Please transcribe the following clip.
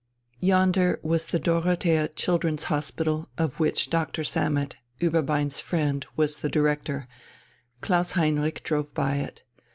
Yonder was the Dorothea Children's Hospital of which Doctor Sammet, Ueberbein's friend, was the Director; Klaus Heinrich drove by it.